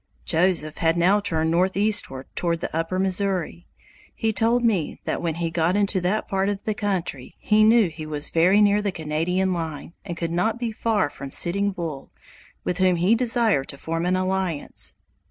Joseph had now turned northeastward toward the Upper Missouri. He told me that when he got into that part of the country he knew he was very near the Canadian line and could not be far from Sitting Bull, with whom he desired to form an alliance.